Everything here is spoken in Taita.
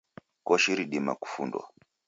Koshi ridima kufundwa.